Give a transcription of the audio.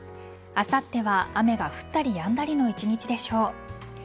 あさっては雨が降ったりやんだりの一日でしょう。